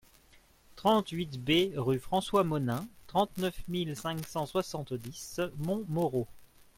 trente-huit B rue François Monin, trente-neuf mille cinq cent soixante-dix Montmorot